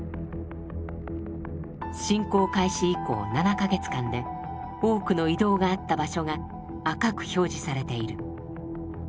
侵攻開始以降７か月間で多くの移動があった場所が赤く表示されている。